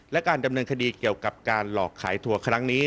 และการดำเนินคดีเกี่ยวกับการหลอกขายทัวร์ครั้งนี้